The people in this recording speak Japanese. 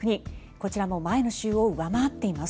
こちらも前の週を上回っています。